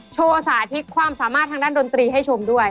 สาธิตความสามารถทางด้านดนตรีให้ชมด้วย